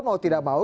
mau tidak mau